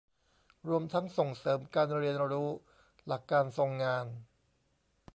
รวมทั้งส่งเสริมการเรียนรู้หลักการทรงงาน